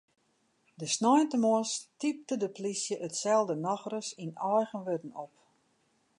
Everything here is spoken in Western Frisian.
De sneintemoarns typte de plysje itselde nochris yn eigen wurden op.